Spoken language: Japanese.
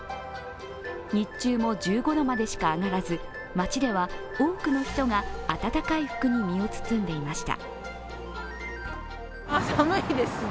日中も１５度までしか上がらず街では多くの人が暖かい服に身を包んでいました。